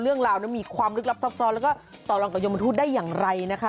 เรื่องราวนั้นมีความลึกลับซับซ้อนแล้วก็ต่อรองกับยมทูตได้อย่างไรนะคะ